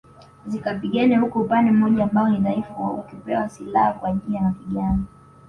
Zikapigane huku upande mmoja ambao ni dhaifu ukipewa silaha kwa ajili ya mapigano